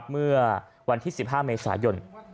เมื่อวันที่๑๕เมษายน